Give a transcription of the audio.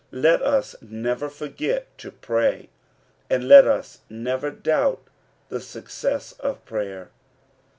Let ue never forget to pray, and let us never doubt the success of prayer.